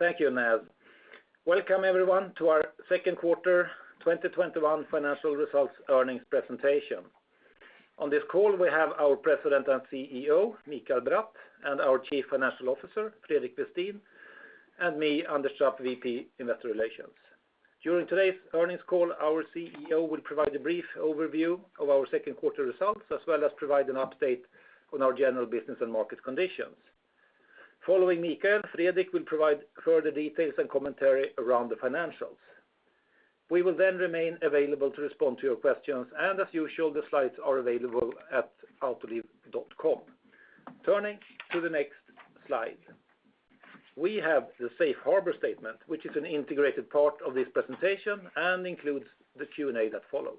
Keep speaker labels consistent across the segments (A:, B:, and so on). A: Thank you, Naz. Welcome, everyone, to our second quarter 2021 financial results earnings presentation. On this call, we have our President and CEO, Mikael Bratt, and our Chief Financial Officer, Fredrik Westin, and me, Anders Trapp, VP, Investor Relations. During today's earnings call, our CEO will provide a brief overview of our second quarter results, as well as provide an update on our general business and market conditions. Following Mikael, Fredrik will provide further details and commentary around the financials. We will then remain available to respond to your questions, and as usual, the slides are available at autoliv.com. Turning to the next slide. We have the safe harbor statement, which is an integrated part of this presentation and includes the Q&A that follows.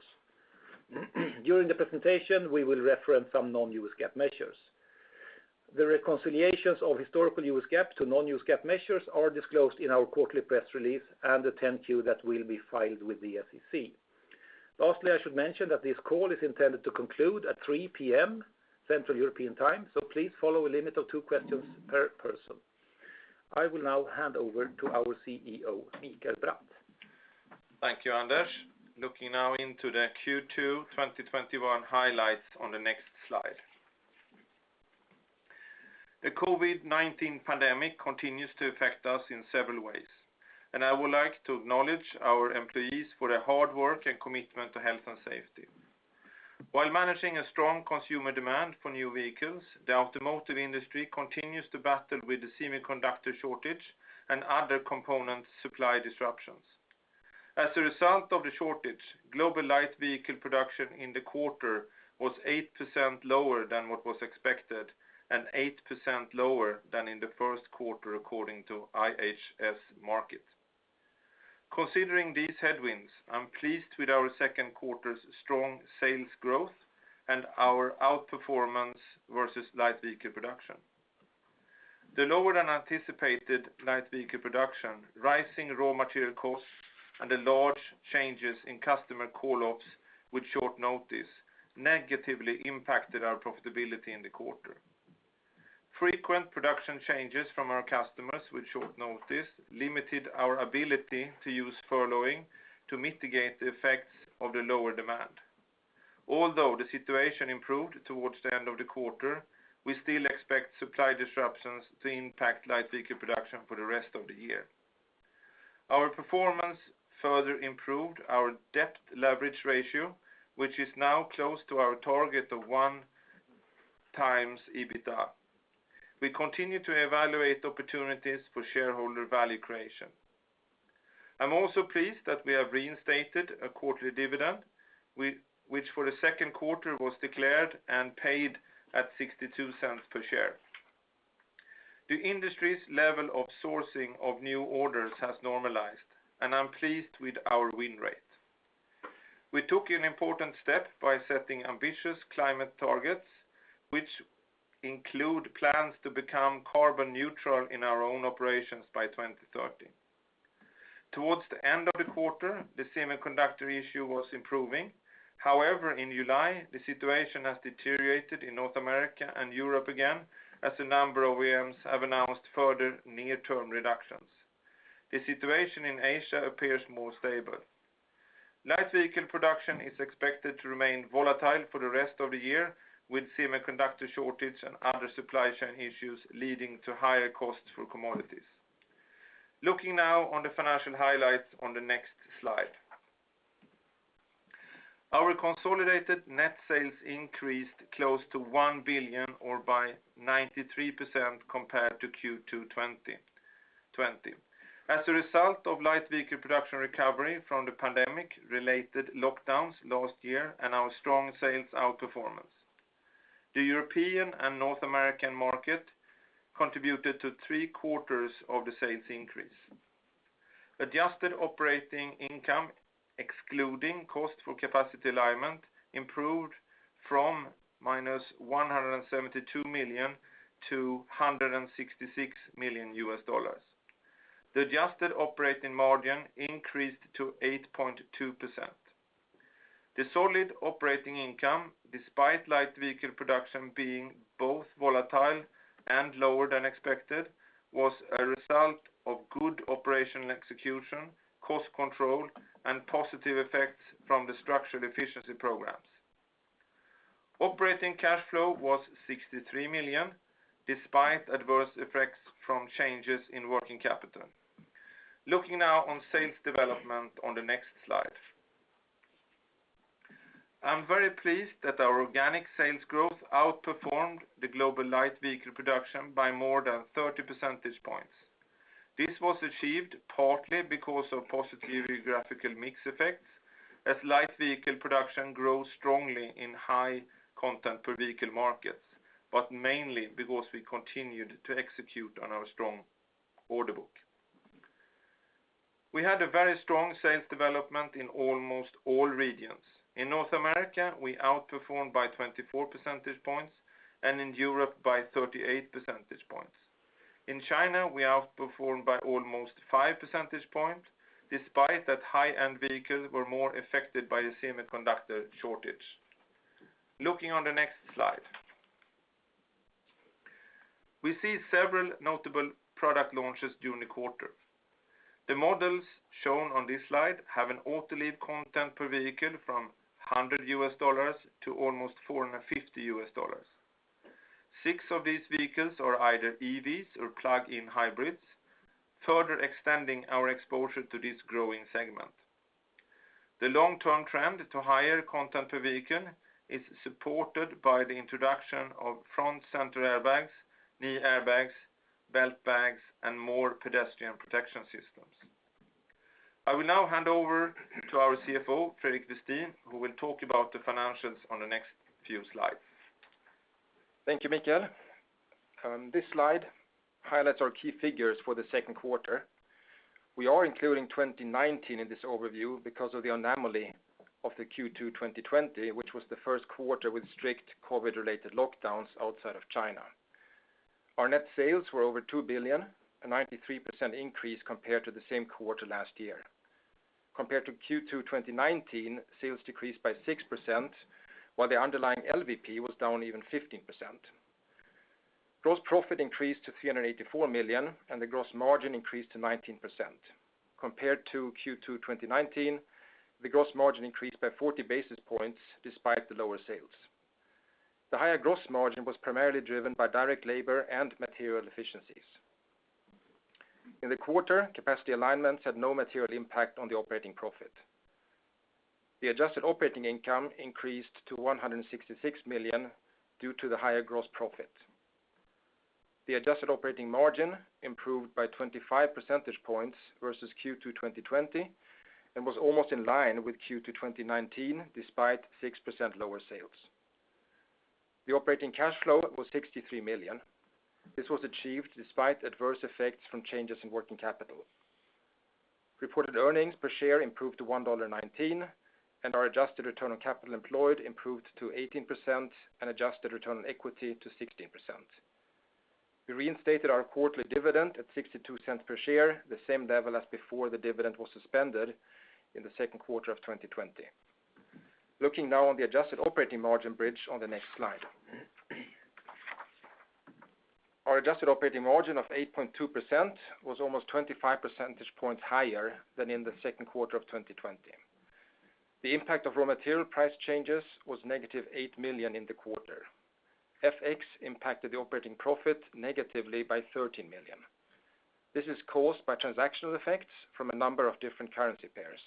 A: During the presentation, we will reference some non-GAAP measures. The reconciliations of historical GAAP to non-GAAP measures are disclosed in our quarterly press release and the 10-Q that will be filed with the SEC. Lastly, I should mention that this call is intended to conclude at 3:00 PM Central European Time, so please follow a limit of two questions per person. I will now hand over to our CEO, Mikael Bratt.
B: Thank you, Anders. Looking now into the Q2 2021 highlights on the next slide. The COVID-19 pandemic continues to affect us in several ways, and I would like to acknowledge our employees for their hard work and commitment to health and safety. While managing a strong consumer demand for new vehicles, the automotive industry continues to battle with the semiconductor shortage and other component supply disruptions. As a result of the shortage, global light vehicle production in the quarter was 8% lower than what was expected and 8% lower than in the first quarter, according to IHS Markit. Considering these headwinds, I am pleased with our second quarter's strong sales growth and our outperformance versus light vehicle production. The lower-than-anticipated light vehicle production, rising raw material costs, and the large changes in customer call-offs with short notice negatively impacted our profitability in the quarter. Frequent production changes from our customers with short notice limited our ability to use furloughing to mitigate the effects of the lower demand. Although the situation improved towards the end of the quarter, we still expect supply disruptions to impact light vehicle production for the rest of the year. Our performance further improved our debt leverage ratio, which is now close to our target of 1 times EBITDA. We continue to evaluate opportunities for shareholder value creation. I'm also pleased that we have reinstated a quarterly dividend, which for the second quarter was declared and paid at $0.62 per share. The industry's level of sourcing of new orders has normalized, and I'm pleased with our win rate. We took an important step by setting ambitious climate targets, which include plans to become carbon neutral in our own operations by 2030. Towards the end of the quarter, the semiconductor issue was improving. In July, the situation has deteriorated in North America and Europe again, as a number of OEMs have announced further near-term reductions. The situation in Asia appears more stable. Light vehicle production is expected to remain volatile for the rest of the year, with semiconductor shortage and other supply chain issues leading to higher costs for commodities. Looking now on the financial highlights on the next slide. Our consolidated net sales increased close to $1 billion or by 93% compared to Q2 2020. As a result of light vehicle production recovery from the pandemic-related lockdowns last year and our strong sales outperformance. The European and North American market contributed to three-quarters of the sales increase. Adjusted operating income, excluding cost for capacity alignment, improved from -$172 million to $166 million. The adjusted operating margin increased to 8.2%. The solid operating income, despite light vehicle production being both volatile and lower than expected, was a result of good operational execution, cost control, and positive effects from the structural efficiency programs. Operating cash flow was $63 million, despite adverse effects from changes in working capital. Looking now on sales development on the next slide. I am very pleased that our organic sales growth outperformed the global light vehicle production by more than 30 percentage points. This was achieved partly because of positive geographical mix effects, as light vehicle production grows strongly in high content per vehicle markets, but mainly because we continued to execute on our strong order book. We had a very strong sales development in almost all regions. In North America, we outperformed by 24 percentage points, and in Europe by 38 percentage points. In China, we outperformed by almost 5 percentage points, despite that high-end vehicles were more affected by the semiconductor shortage. Looking on the next slide. We see several notable product launches during the quarter. The models shown on this slide have an Autoliv content per vehicle from $100 to almost $450. Six of these vehicles are either EVs or plug-in hybrids, further extending our exposure to this growing segment. The long-term trend to higher content per vehicle is supported by the introduction of front center airbags, knee airbags, belt bags, and more pedestrian protection systems. I will now hand over to our CFO, Fredrik Westin, who will talk about the financials on the next few slides.
C: Thank you, Mikael. This slide highlights our key figures for the second quarter. We are including 2019 in this overview because of the anomaly of the Q2 2020, which was the first quarter with strict COVID-related lockdowns outside of China. Our net sales were over $2 billion, a 93% increase compared to the same quarter last year. Compared to Q2 2019, sales decreased by 6%, while the underlying LVP was down even 15%. Gross profit increased to $384 million, and the gross margin increased to 19%. Compared to Q2 2019, the gross margin increased by 40 basis points despite the lower sales. The higher gross margin was primarily driven by direct labor and material efficiencies. In the quarter, capacity alignments had no material impact on the operating profit. The adjusted operating income increased to $166 million due to the higher gross profit. The adjusted operating margin improved by 25 percentage points versus Q2 2020, was almost in line with Q2 2019, despite 6% lower sales. The operating cash flow was $63 million. This was achieved despite adverse effects from changes in working capital. Reported earnings per share improved to $1.19, our adjusted return on capital employed improved to 18%, adjusted return on equity to 16%. We reinstated our quarterly dividend at $0.62 per share, the same level as before the dividend was suspended in the second quarter of 2020. Looking now on the adjusted operating margin bridge on the next slide. Our adjusted operating margin of 8.2% was almost 25 percentage points higher than in the second quarter of 2020. The impact of raw material price changes was negative $8 million in the quarter. FX impacted the operating profit negatively by $13 million. This is caused by transactional effects from a number of different currency pairs.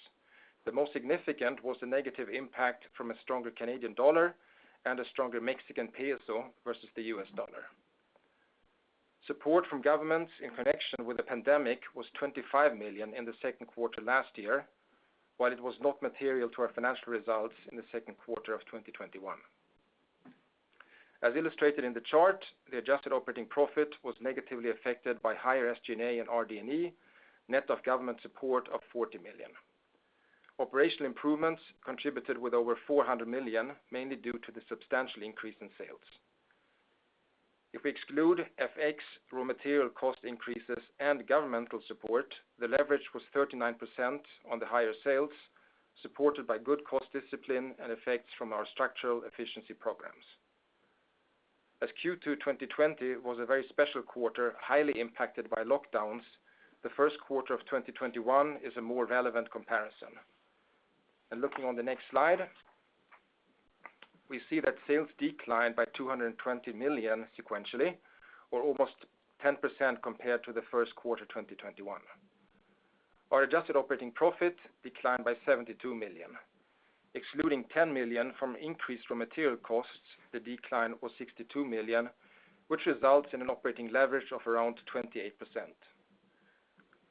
C: The most significant was the negative impact from a stronger Canadian dollar and a stronger Mexican peso versus the US dollar. Support from governments in connection with the pandemic was $25 million in the second quarter last year, while it was not material to our financial results in the second quarter of 2021. As illustrated in the chart, the adjusted operating profit was negatively affected by higher SG&A and RD&E, net of government support of $40 million. Operational improvements contributed with over $400 million, mainly due to the substantial increase in sales. If we exclude FX, raw material cost increases, and governmental support, the leverage was 39% on the higher sales, supported by good cost discipline and effects from our structural efficiency programs. As Q2 2020 was a very special quarter, highly impacted by lockdowns, the first quarter of 2021 is a more relevant comparison. Looking on the next slide, we see that sales declined by $220 million sequentially, or almost 10% compared to the first quarter 2021. Our adjusted operating profit declined by $72 million. Excluding $10 million from increased raw material costs, the decline was $62 million, which results in an operating leverage of around 28%.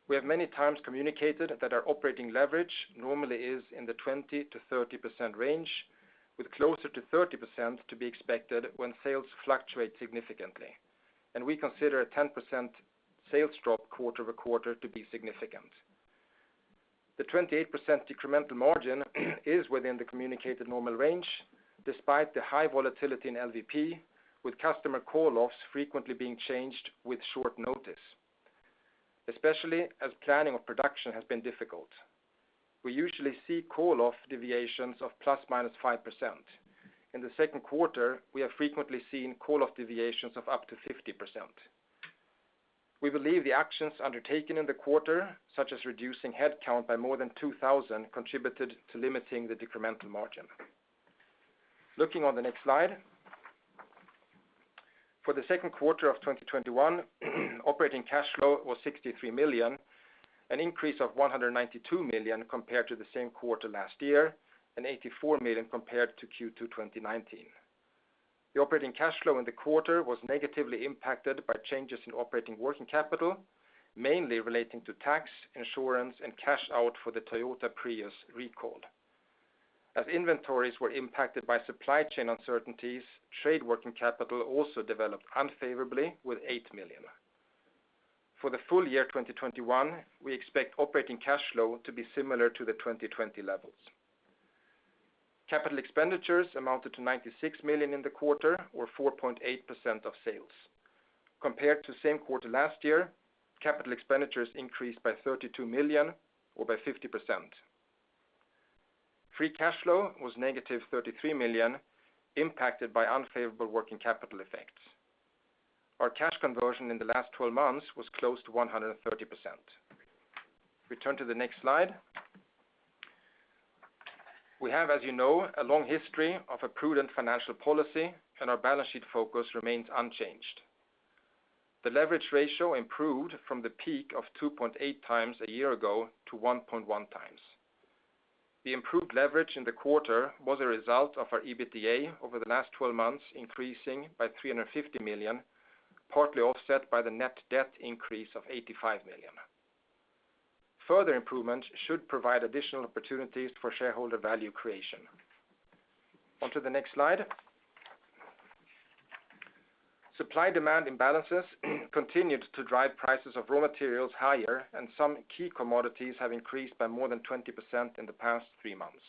C: We have many times communicated that our operating leverage normally is in the 20%-30% range, with closer to 30% to be expected when sales fluctuate significantly, and we consider a 10% sales drop quarter-over-quarter to be significant. The 28% incremental margin is within the communicated normal range, despite the high volatility in LVP, with customer call-offs frequently being changed with short notice, especially as planning of production has been difficult. We usually see call-off deviations of ±5%. In the second quarter, we have frequently seen call-off deviations of up to 50%. We believe the actions undertaken in the quarter, such as reducing headcount by more than 2,000, contributed to limiting the incremental margin. Looking on the next slide. For the second quarter of 2021, operating cash flow was $63 million, an increase of $192 million compared to the same quarter last year, and $84 million compared to Q2 2019. The operating cash flow in the quarter was negatively impacted by changes in operating working capital, mainly relating to tax, insurance, and cash out for the Toyota Prius recall. As inventories were impacted by supply chain uncertainties, trade working capital also developed unfavorably with $8 million. For the full year 2021, we expect operating cash flow to be similar to the 2020 levels. Capital expenditures amounted to $96 million in the quarter, or 4.8% of sales. Compared to same quarter last year, capital expenditures increased by $32 million or by 50%. Free cash flow was negative $33 million, impacted by unfavorable working capital effects. Our cash conversion in the last 12 months was close to 130%. Return to the next slide. We have, as you know, a long history of a prudent financial policy, and our balance sheet focus remains unchanged. The leverage ratio improved from the peak of 2.8x a year ago to 1.1x. The improved leverage in the quarter was a result of our EBITDA over the last 12 months, increasing by $350 million, partly offset by the net debt increase of $85 million. Further improvements should provide additional opportunities for shareholder value creation. On to the next slide. Supply-demand imbalances continued to drive prices of raw materials higher, and some key commodities have increased by more than 20% in the past three months.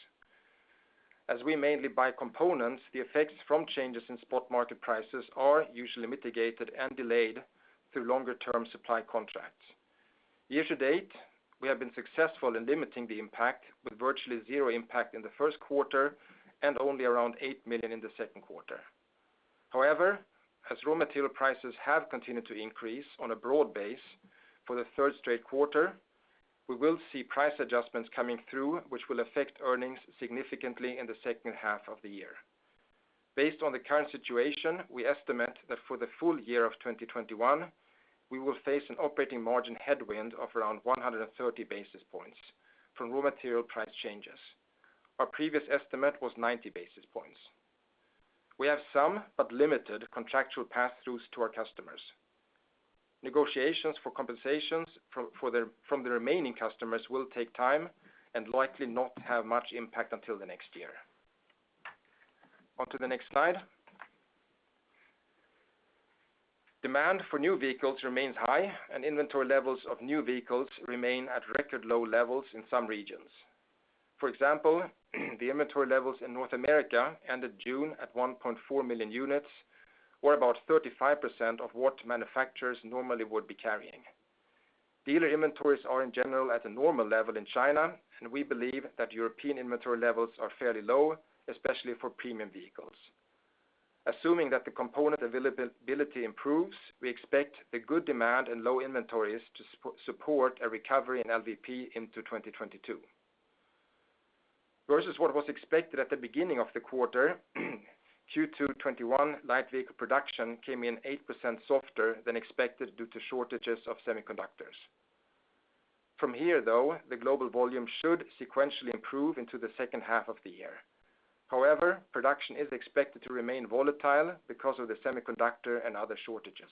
C: As we mainly buy components, the effects from changes in spot market prices are usually mitigated and delayed through longer-term supply contracts. Year to date, we have been successful in limiting the impact, with virtually zero impact in the first quarter and only around $8 million in the second quarter. As raw material prices have continued to increase on a broad base for the third straight quarter, we will see price adjustments coming through, which will affect earnings significantly in the second half of the year. Based on the current situation, we estimate that for the full year of 2021, we will face an operating margin headwind of around 130 basis points from raw material price changes. Our previous estimate was 90 basis points. We have some, but limited, contractual pass-throughs to our customers. Negotiations for compensations from the remaining customers will take time and likely not have much impact until the next year. On to the next slide. Demand for new vehicles remains high, inventory levels of new vehicles remain at record low levels in some regions. For example, the inventory levels in North America ended June at 1.4 million units, or about 35% of what manufacturers normally would be carrying. Dealer inventories are in general at a normal level in China, we believe that European inventory levels are fairly low, especially for premium vehicles. Assuming that the component availability improves, we expect the good demand and low inventories to support a recovery in LVP into 2022. Versus what was expected at the beginning of the quarter, Q2 2021 light vehicle production came in 8% softer than expected due to shortages of semiconductors. From here, though, the global volume should sequentially improve into the second half of the year. However, production is expected to remain volatile because of the semiconductor and other shortages.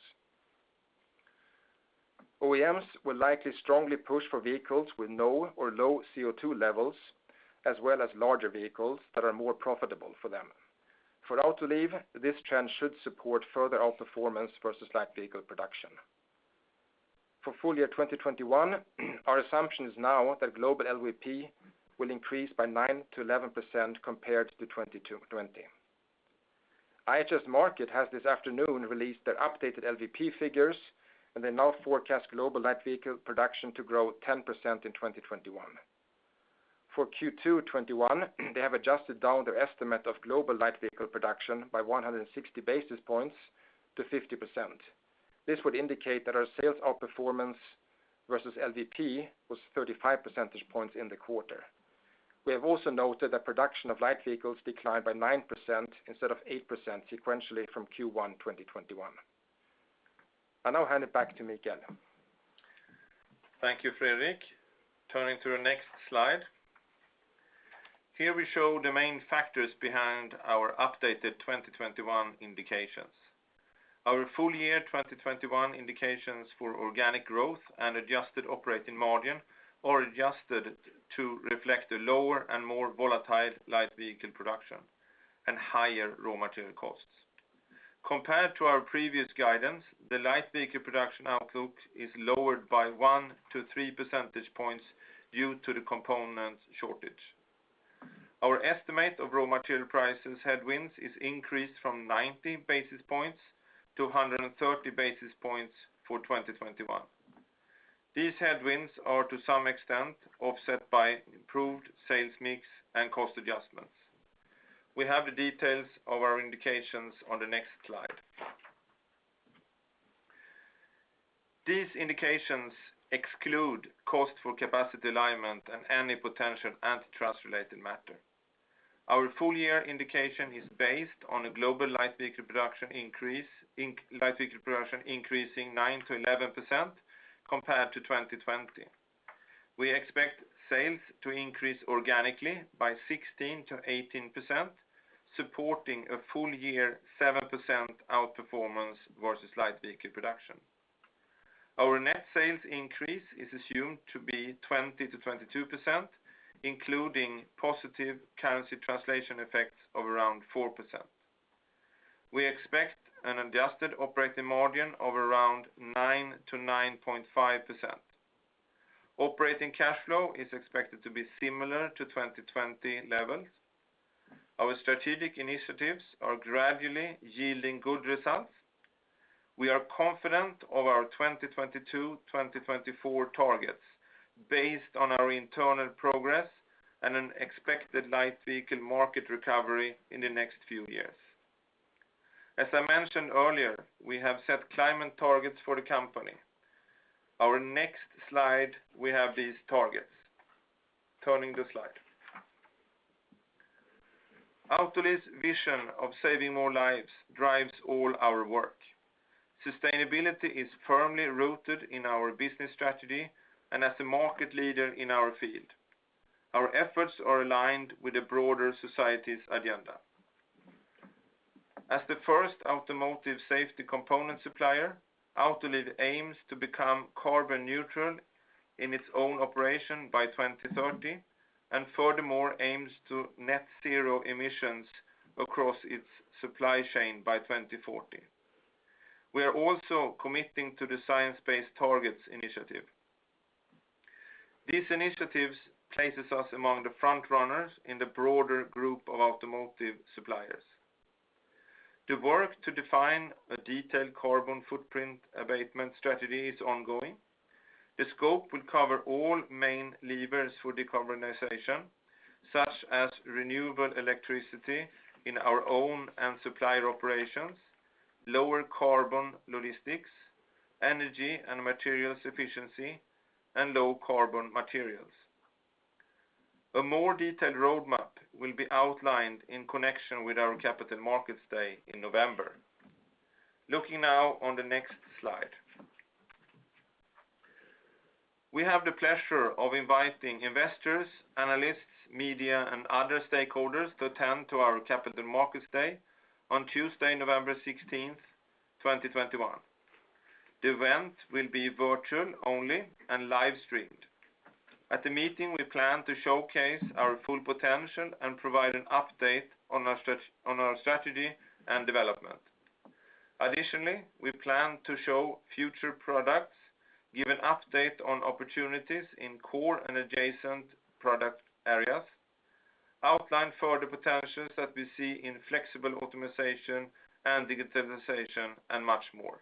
C: OEMs will likely strongly push for vehicles with no or low CO2 levels, as well as larger vehicles that are more profitable for them. For Autoliv, this trend should support further outperformance versus light vehicle production. For full year 2021, our assumption is now that global LVP will increase by 9%-11% compared to 2020. IHS Markit has this afternoon released their updated LVP figures, and they now forecast global light vehicle production to grow 10% in 2021. For Q2 2021, they have adjusted down their estimate of global light vehicle production by 160 basis points to 50%. This would indicate that our sales outperformance versus LVP was 35 percentage points in the quarter. We have also noted that production of light vehicles declined by 9% instead of 8% sequentially from Q1 2021. I now hand it back to Mikael.
B: Thank you, Fredrik. Turning to the next slide. Here we show the main factors behind our updated 2021 indications. Our full year 2021 indications for organic growth and adjusted operating margin are adjusted to reflect the lower and more volatile light vehicle production and higher raw material costs. Compared to our previous guidance, the light vehicle production outlook is lowered by 1-3 percentage points due to the component shortage. Our estimate of raw material prices headwinds is increased from 90 basis points to 130 basis points for 2021. These headwinds are to some extent offset by improved sales mix and cost adjustments. We have the details of our indications on the next slide. These indications exclude cost for capacity alignment and any potential antitrust related matter. Our full year indication is based on a global light vehicle production increasing 9%-11% compared to 2020. We expect sales to increase organically by 16%-18%, supporting a full year 7% outperformance versus light vehicle production. Our net sales increase is assumed to be 20%-22%, including positive currency translation effects of around 4%. We expect an adjusted operating margin of around 9%-9.5%. Operating cash flow is expected to be similar to 2020 levels. Our strategic initiatives are gradually yielding good results. We are confident of our 2022-2024 targets based on our internal progress and an expected light vehicle market recovery in the next few years. As I mentioned earlier, we have set climate targets for the company. Our next slide, we have these targets. Turning the slide. Autoliv's vision of saving more lives drives all our work. Sustainability is firmly rooted in our business strategy and as a market leader in our field. Our efforts are aligned with the broader society's agenda. As the first automotive safety component supplier, Autoliv aims to become carbon neutral in its own operation by 2030, and furthermore, aims to net zero emissions across its supply chain by 2040. We are also committing to the Science Based Targets initiative. These initiatives places us among the front runners in the broader group of automotive suppliers. The work to define a detailed carbon footprint abatement strategy is ongoing. The scope will cover all main levers for decarbonization, such as renewable electricity in our own and supplier operations, lower carbon logistics, energy and materials efficiency, and low carbon materials. A more detailed roadmap will be outlined in connection with our Capital Markets Day in November. Looking now on the next slide. We have the pleasure of inviting investors, analysts, media, and other stakeholders to attend to our Capital Markets Day on Tuesday, November 16th, 2021. The event will be virtual only and live streamed. At the meeting, we plan to showcase our full potential and provide an update on our strategy and development. Additionally, we plan to show future products, give an update on opportunities in core and adjacent product areas, outline further potentials that we see in flexible optimization and digitalization, and much more.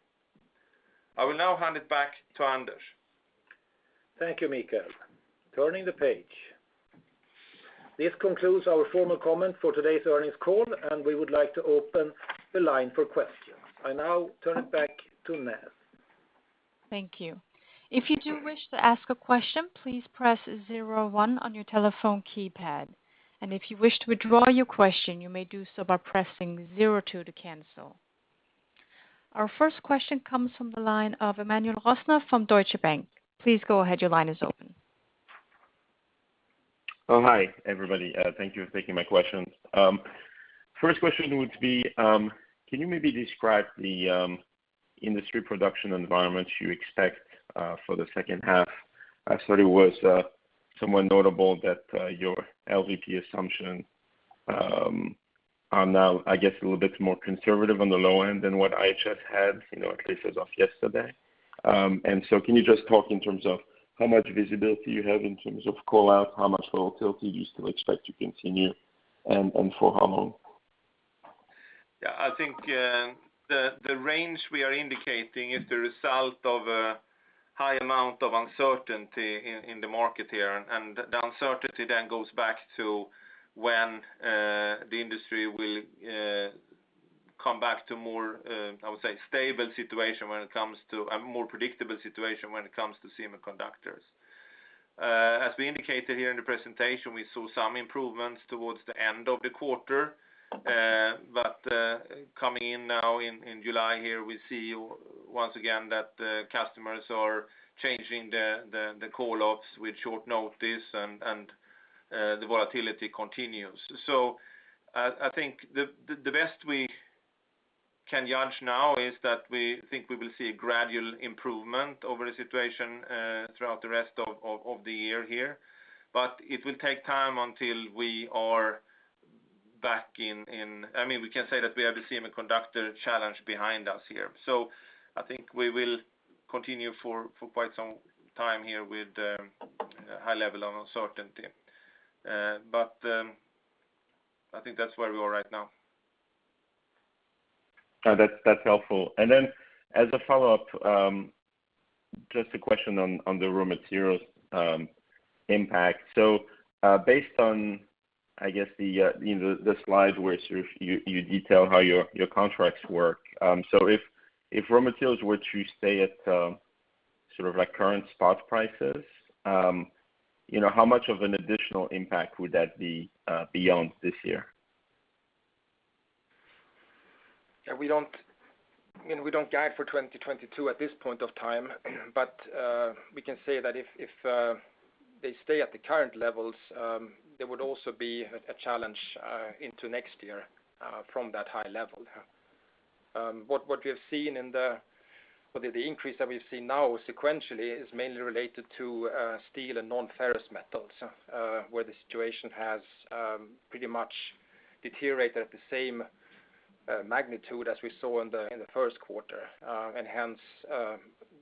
B: I will now hand it back to Anders.
A: Thank you, Mikael. Turning the page. This concludes our formal comment for today's earnings call, and we would like to open the line for questions. I now turn it back to Naz.
D: Thank you. If you do wish to ask a question, please press zero one on your telephone keypad, and if you wish to withdraw your question, you may do so by pressing zero two to cancel. Our first question comes from the line of Emmanuel Rosner from Deutsche Bank. Please go ahead. Your line is open.
E: Hi, everybody. Thank you for taking my questions. First question would be, can you maybe describe the industry production environment you expect for the second half? I thought it was somewhat notable that your LVP assumption are now, I guess, a little bit more conservative on the low end than what IHS had, at least as of yesterday. Can you just talk in terms of how much visibility you have in terms of call-offs, how much volatility you still expect to continue, and for how long?
B: I think the range we are indicating is the result of a high amount of uncertainty in the market here, the uncertainty then goes back to when the industry will come back to more, I would say, stable situation when it comes to a more predictable situation when it comes to semiconductors. As we indicated here in the presentation, we saw some improvements towards the end of the quarter. Coming in now in July here, we see once again that customers are changing the call-offs with short notice, and the volatility continues. I think the best we can judge now is that we think we will see a gradual improvement over the situation throughout the rest of the year here. It will take time until We can say that we have the semiconductor challenge behind us here. I think we will continue for quite some time here with a high level of uncertainty. I think that's where we are right now.
E: No, that's helpful. As a follow-up, just a question on the raw materials impact. Based on, I guess, the slide where you detail how your contracts work. If raw materials were to stay at current spot prices, how much of an additional impact would that be beyond this year?
C: Yeah, we don't guide for 2022 at this point of time. We can say that if they stay at the current levels, there would also be a challenge into next year from that high level. The increase that we've seen now sequentially is mainly related to steel and non-ferrous metals, where the situation has pretty much deteriorated at the same magnitude as we saw in the first quarter, hence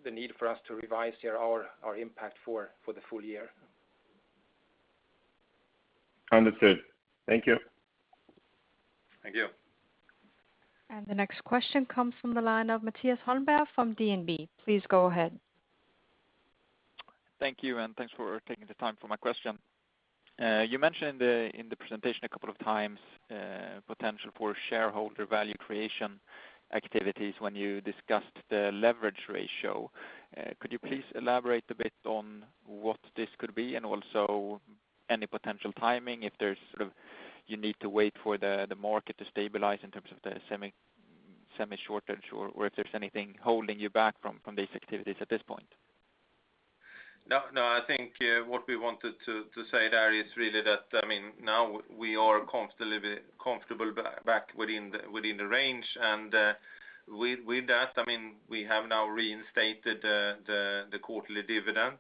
C: the need for us to revise our impact for the full year.
E: Understood. Thank you.
B: Thank you.
D: The next question comes from the line of Mattias Holmberg from DNB. Please go ahead.
F: Thank you, and thanks for taking the time for my question. You mentioned in the presentation a couple of times potential for shareholder value creation activities when you discussed the leverage ratio. Could you please elaborate a bit on what this could be, and also any potential timing if there's sort of, you need to wait for the market to stabilize in terms of the semi shortage, or if there's anything holding you back from these activities at this point?
B: No, I think what we wanted to say there is really that now we are comfortable back within the range. With that, we have now reinstated the quarterly dividend.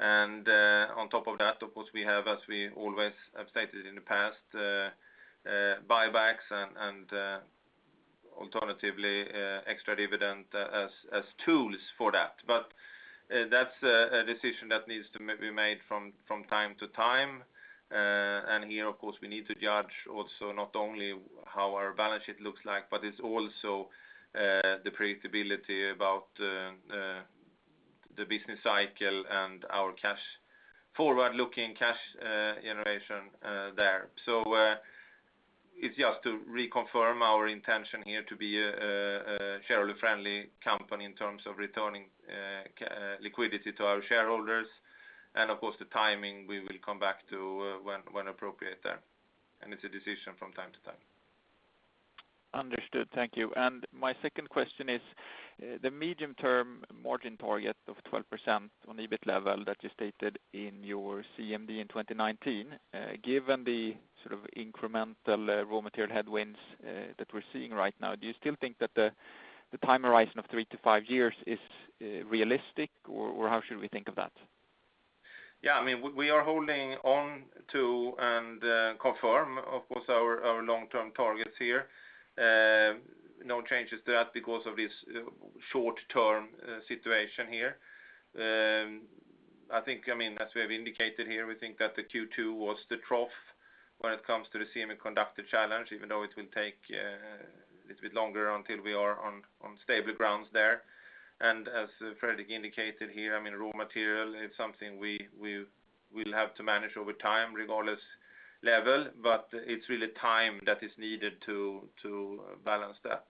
B: On top of that, of course, we have, as we always have stated in the past, buybacks and alternatively, extra dividend as tools for that. That's a decision that needs to be made from time to time. Here, of course, we need to judge also not only how our balance sheet looks like, but it's also the predictability about the business cycle and our forward-looking cash generation there. It's just to reconfirm our intention here to be a shareholder-friendly company in terms of returning liquidity to our shareholders. Of course, the timing we will come back to when appropriate there, and it's a decision from time to time.
F: Understood. Thank you. My second question is the medium-term margin target of 12% on EBIT level that you stated in your CMD in 2019. Given the incremental raw material headwinds that we're seeing right now, do you still think that the time horizon of three to five years is realistic, or how should we think of that?
B: We are holding on to and confirm, of course, our long-term targets here. No changes to that because of this short-term situation here. As we have indicated here, we think that the Q2 was the trough when it comes to the semiconductor challenge, even though it will take a little bit longer until we are on stable grounds there. As Fredrik indicated here, raw material is something we will have to manage over time, regardless level, but it's really time that is needed to balance that.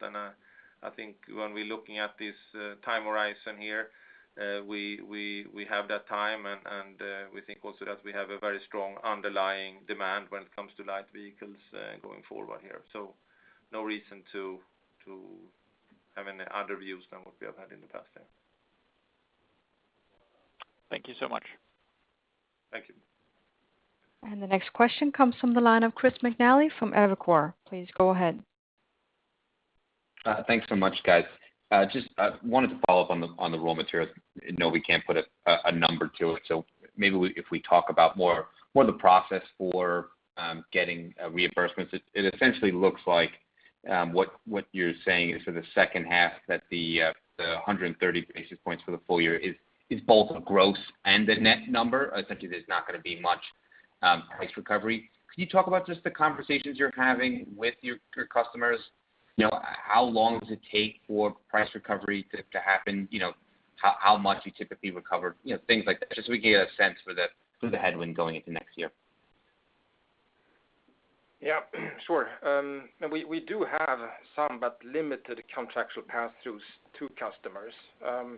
B: I think when we're looking at this time horizon here, we have that time, and we think also that we have a very strong underlying demand when it comes to light vehicles going forward here. No reason to have any other views than what we have had in the past there.
F: Thank you so much.
B: Thank you.
D: The next question comes from the line of Chris McNally from Evercore. Please go ahead.
G: Thanks so much, guys. Just wanted to follow up on the raw material. I know we can't put a number to it, so maybe if we talk about more the process for getting reimbursements. It essentially looks like what you're saying is for the second half, that the 130 basis points for the full year is both a gross and a net number. Essentially, there's not going to be much price recovery. Could you talk about just the conversations you're having with your customers? How long does it take for price recovery to happen? How much you typically recover? Things like that, just so we can get a sense for the headwind going into next year.
C: Yeah, sure. We do have some, but limited contractual passthroughs to customers.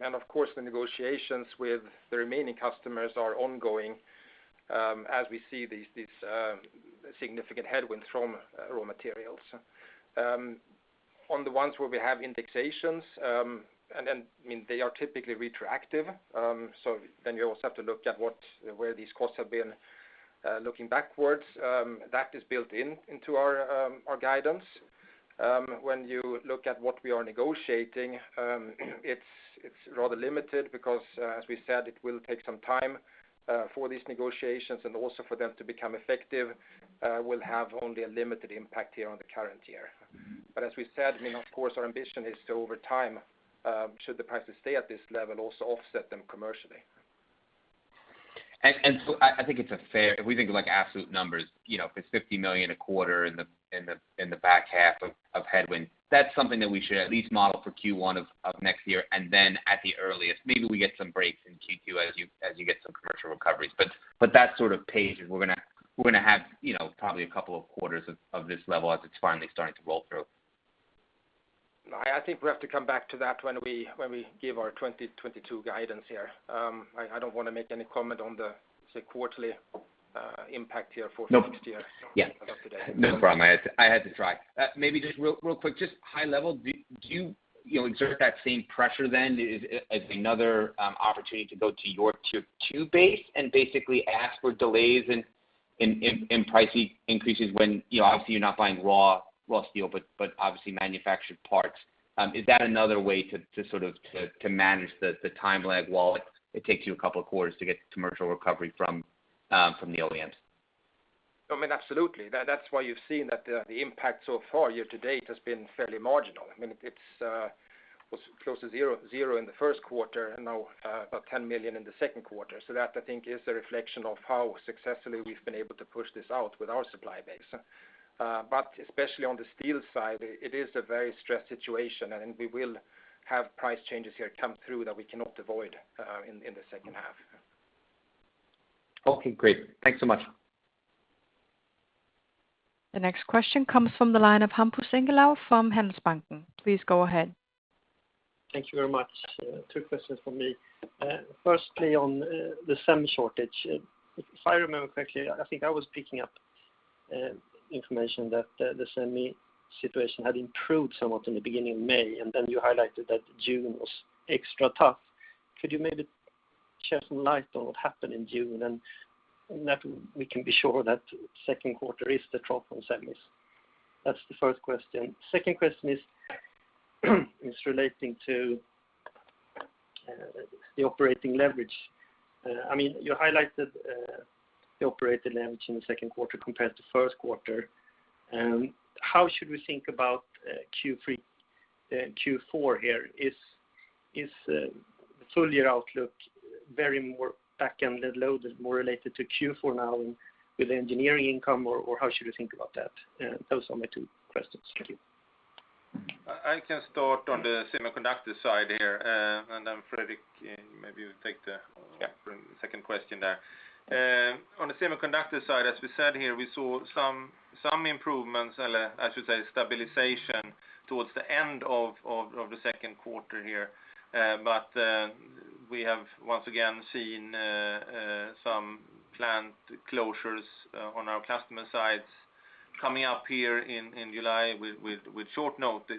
C: Of course, the negotiations with the remaining customers are ongoing as we see these significant headwinds from raw materials. On the ones where we have indexations, and then they are typically retroactive. You also have to look at where these costs have been looking backwards. That is built into our guidance. When you look at what we are negotiating, it's rather limited because, as we said, it will take some time for these negotiations and also for them to become effective will have only a limited impact here on the current year. As we said, of course, our ambition is to, over time, should the prices stay at this level, also offset them commercially.
G: I think it's fair, if we think of absolute numbers, if it's $50 million a quarter in the back half of headwind, that's something that we should at least model for Q1 of next year. At the earliest, maybe we get some breaks in Q2 as you get some commercial recoveries. That sort of pace, we're going to have probably a couple of quarters of this level as it's finally starting to roll through.
C: I think we have to come back to that when we give our 2022 guidance here. I don't want to make any comment on the quarterly impact here for next year.
G: Nope. Yeah.
C: Not today.
G: No problem. I had to try. Maybe just real quick, just high level, do you exert that same pressure then as another opportunity to go to your tier two base and basically ask for delays in price increases when obviously you're not buying raw steel, but obviously manufactured parts? Is that another way to sort of manage the time lag while it takes you couple of quarters to get commercial recovery from the OEMs?
C: Absolutely. That's why you've seen that the impact so far year to date has been fairly marginal. It's close to zero in the first quarter and now about $10 million in the second quarter. That, I think, is a reflection of how successfully we've been able to push this out with our supply base. Especially on the steel side, it is a very stressed situation, and we will have price changes here come through that we cannot avoid in the second half.
G: Okay, great. Thanks so much.
D: The next question comes from the line of Hampus Engellau from Handelsbanken. Please go ahead.
H: Thank you very much. Two questions from me. Firstly, on the semi shortage. If I remember correctly, I think I was picking up information that the semi situation had improved somewhat in the beginning of May, and then you highlighted that June was extra tough. Could you maybe shed some light on what happened in June, and that we can be sure that second quarter is the trough on semis? That's the first question. Second question is relating to the operating leverage. You highlighted the operating leverage in the second quarter compared to first quarter. How should we think about Q3, Q4 here? Is the full year outlook very more back-ended loaded, more related to Q4 now with engineering income, or how should we think about that? Those are my two questions to you.
B: I can start on the semiconductor side here, and then Fredrik, maybe you take the second question there. On the semiconductor side, as we said here, we saw some improvements, or I should say, stabilization towards the end of the second quarter here. We have once again seen some plant closures on our customer sides coming up here in July with short notice.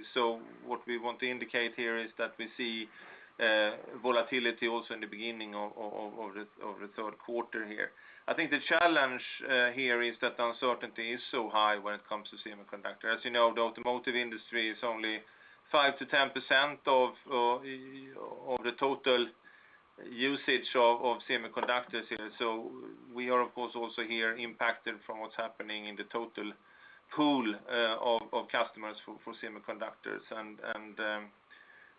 B: What we want to indicate here is that we see volatility also in the beginning of the third quarter here. I think the challenge here is that the uncertainty is so high when it comes to semiconductor. As you know, the automotive industry is only 5%-10% of the total usage of semiconductors here. We are, of course, also here impacted from what's happening in the total pool of customers for semiconductors.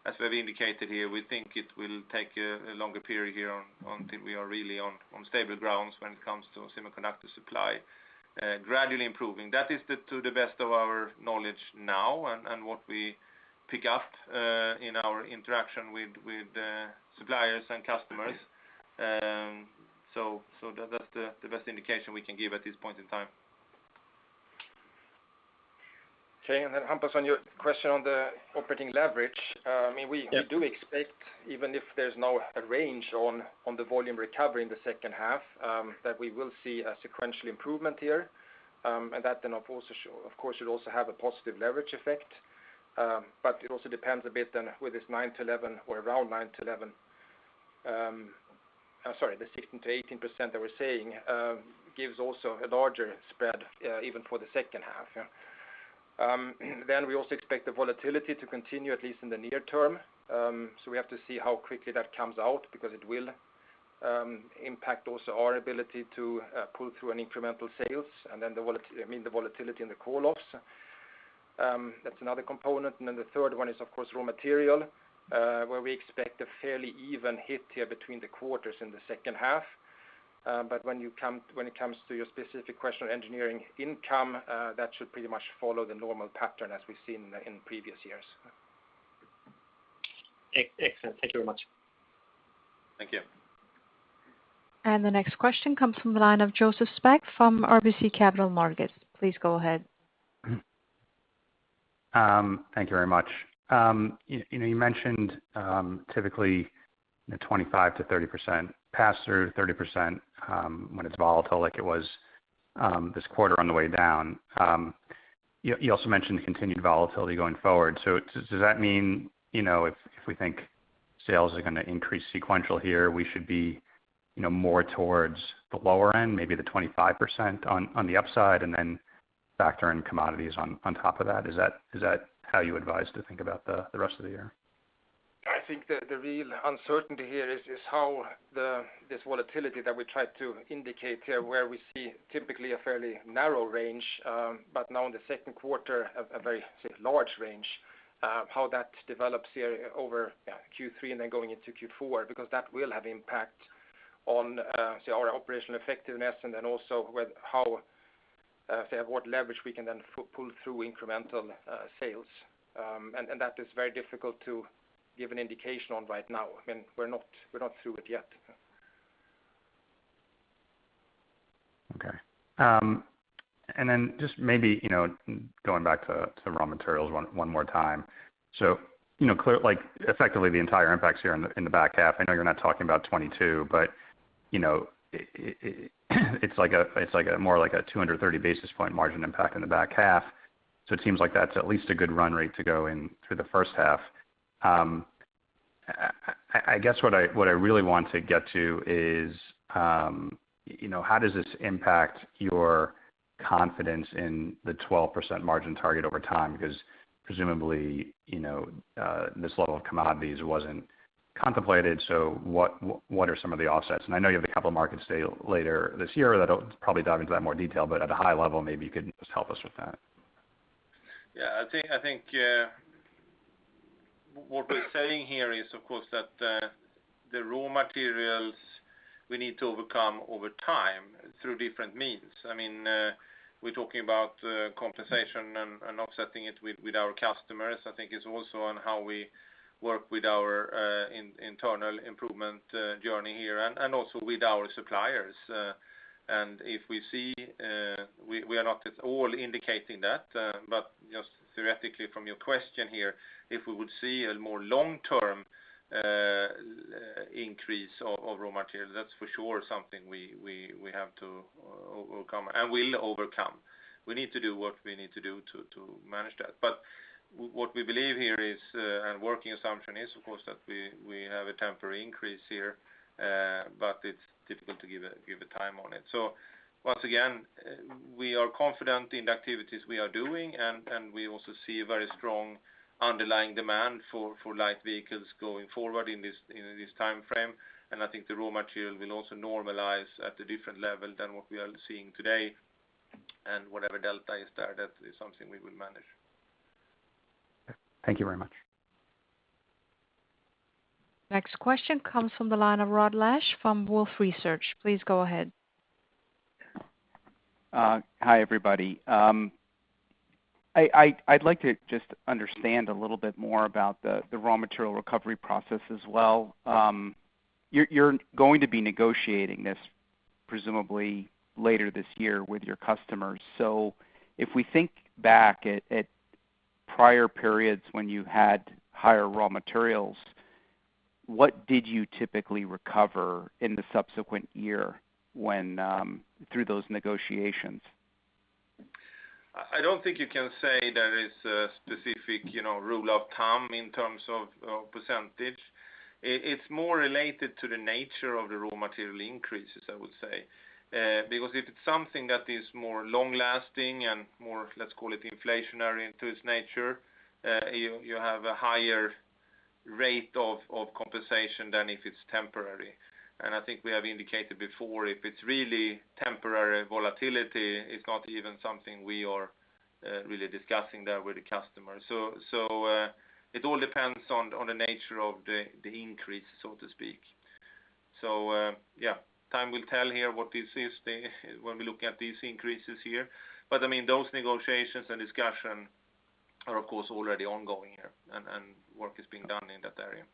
B: As we have indicated here, we think it will take a longer period here until we are really on stable grounds when it comes to semiconductor supply gradually improving. That is to the best of our knowledge now and what we pick up in our interaction with suppliers and customers. That's the best indication we can give at this point in time.
C: Okay. Hampus, on your question on the operating leverage. We do expect, even if there's no range on the volume recovery in the second half, that we will see a sequential improvement here, of course, should also have a positive leverage effect. It also depends a bit on whether it's 9%-11% or around 9%-11%, sorry, the 16%-18% that we're saying, gives also a larger spread even for the second half. We also expect the volatility to continue, at least in the near term. We have to see how quickly that comes out, because it will impact also our ability to pull through an incremental sales, the volatility in the call-offs. That's another component. The third one is, of course, raw material, where we expect a fairly even hit here between the quarters in the second half. When it comes to your specific question on engineering income, that should pretty much follow the normal pattern as we've seen in previous years.
H: Excellent. Thank you very much.
C: Thank you.
D: The next question comes from the line of Joseph Spak from RBC Capital Markets. Please go ahead.
I: Thank you very much. You mentioned typically 25%-30% pass through, 30% when it's volatile like it was this quarter on the way down. You also mentioned the continued volatility going forward. Does that mean, if we think sales are going to increase sequential here, we should be more towards the lower end, maybe the 25% on the upside, and then factor in commodities on top of that? Is that how you advise to think about the rest of the year?
C: I think the real uncertainty here is how this volatility that we try to indicate here, where we see typically a fairly narrow range, but now in the second quarter, a very large range, how that develops here over Q3 and then going into Q4, because that will have impact on our operational effectiveness. Then also how, what leverage we can then pull through incremental sales. That is very difficult to give an indication on right now. We're not through it yet.
I: Okay. Just maybe, going back to the raw materials one more time. Effectively, the entire impact's here in the back half. I know you're not talking about 2022, but it's more like a 230 basis point margin impact in the back half. It seems like that's at least a good run rate to go in through the first half. I guess what I really want to get to is, how does this impact your confidence in the 12% margin target over time, because presumably, this level of commodities wasn't contemplated, so what are some of the offsets? I know you have a couple of markets later this year that'll probably dive into that more detail, but at a high level, maybe you could just help us with that?
B: Yeah. I think what we're saying here is, of course, that the raw materials we need to overcome over time through different means. We're talking about compensation and offsetting it with our customers. I think it's also on how we work with our internal improvement journey here and also with our suppliers. If we see, we are not at all indicating that, but just theoretically from your question here, if we would see a more long-term increase of raw material, that's for sure something we have to overcome and will overcome. We need to do what we need to do to manage that. What we believe here is, and working assumption is, of course, that we have a temporary increase here, but it's difficult to give a time on it. Once again, we are confident in the activities we are doing, and we also see very strong underlying demand for light vehicles going forward in this timeframe. I think the raw material will also normalize at a different level than what we are seeing today, and whatever delta is there, that is something we will manage.
I: Thank you very much.
D: Next question comes from the line of Rod Lache from Wolfe Research. Please go ahead.
J: Hi, everybody. I'd like to just understand a little bit more about the raw material recovery process as well. You're going to be negotiating this presumably later this year with your customers. If we think back at prior periods when you had higher raw materials, what did you typically recover in the subsequent year through those negotiations?
B: I don't think you can say there is a specific rule of thumb in terms of %. It's more related to the nature of the raw material increases, I would say. If it's something that is more long-lasting and more, let's call it inflationary into its nature, you have a higher rate of compensation than if it's temporary. I think we have indicated before, if it's really temporary volatility, it's not even something we are really discussing there with the customer. It all depends on the nature of the increase, so to speak. Yeah. Time will tell here what this is when we look at these increases here. Those negotiations and discussion are, of course, already ongoing here, and work is being done in that area.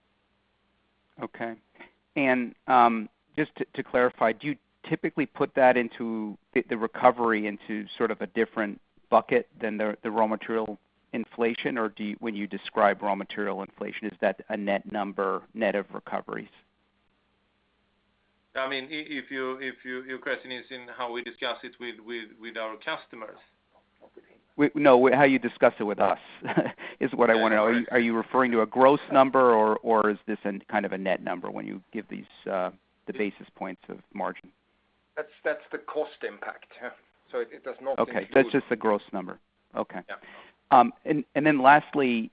J: Okay. Just to clarify, do you typically put the recovery into sort of a different bucket than the raw material inflation? When you describe raw material inflation, is that a net number, net of recoveries?
B: If your question is in how we discuss it with our customers?
J: No, how you discuss it with us is what I want to know. Are you referring to a gross number, or is this in kind of a net number when you give the basis points of margin?
C: That's the cost impact, yeah. So it does not include-
J: Okay. That's just the gross number. Okay.
C: Yeah.
J: Lastly,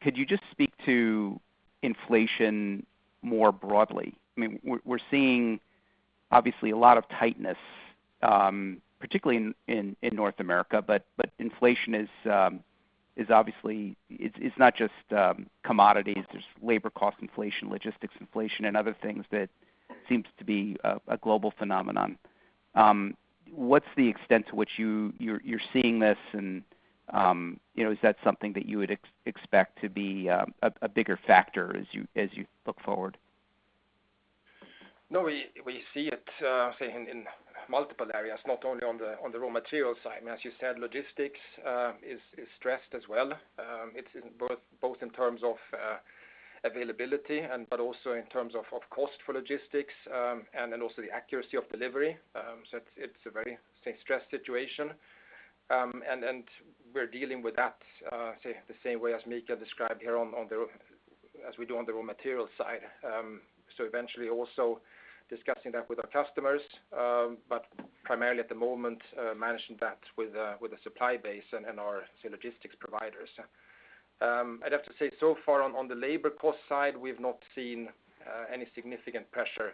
J: could you just speak to inflation more broadly? We're seeing obviously a lot of tightness, particularly in North America, but inflation is obviously not just commodities. There's labor cost inflation, logistics inflation, and other things that seems to be a global phenomenon. What's the extent to which you're seeing this, and is that something that you would expect to be a bigger factor as you look forward?
C: No, we see it, say, in multiple areas, not only on the raw material side. As you said, logistics is stressed as well, both in terms of availability but also in terms of cost for logistics, and then also the accuracy of delivery. It's a very stressed situation. We're dealing with that, say, the same way as Mikael described here as we do on the raw material side. Eventually also discussing that with our customers. Primarily at the moment, managing that with the supply base and our logistics providers. I'd have to say, so far on the labor cost side, we've not seen any significant pressure